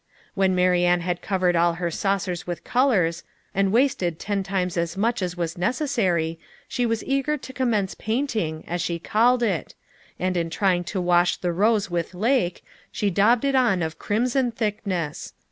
When Marianne had covered all her saucers with colors, and wasted ten times as much as was necessary, she was eager to commence painting, as she called it; and in trying to wash the rose with lake, she daubed it on of crimson thickness.